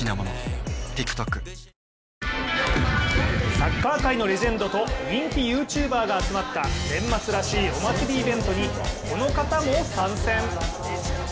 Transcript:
サッカー界のレジェンドと人気ＹｏｕＴｕｂｅｒが集まった年末らしいお祭りイベントにこの方も参戦。